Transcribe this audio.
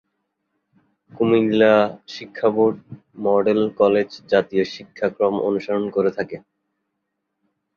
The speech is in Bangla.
কুমিল্লা শিক্ষাবোর্ড মডেল কলেজ জাতীয় শিক্ষাক্রম অনুসরণ করে থাকে।